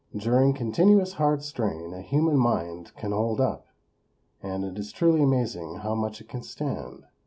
During continuous hard strain a human mind can hold up; and it is truly amazing how much it can stand.